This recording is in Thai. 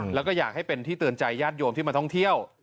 แล้วก็อยากให้เป็นที่เตือนใจญาติโยมที่มาท่องเที่ยว